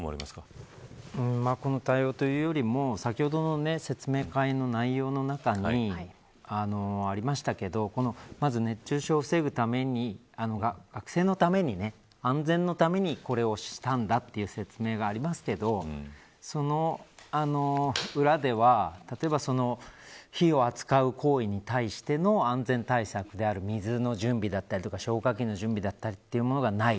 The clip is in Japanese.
この対応というよりも先ほどの説明会の内容の中にありましたけどまず熱中症を防ぐために学生のために、安全のためにこれをしたんだという説明がありますけどその裏では、例えば火を扱う行為に対しての安全対策である水の準備だったりとか消火器の準備だったりというものがない。